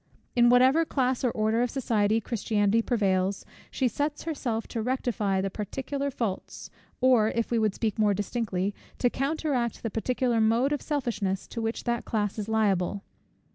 In whatever class or order of society Christianity prevails, she sets herself to rectify the particular faults, or, if we would speak more distinctly, to counteract the particular mode of selfishness, to which that class is liable.